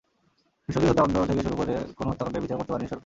বিশ্বজিৎ হত্যাকাণ্ড থেকে শুরু করে কোনো হত্যাকাণ্ডের বিচার করতে পারেনি সরকার।